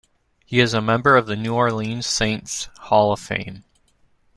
He is a member of the New Orleans Saints Hall of Fame.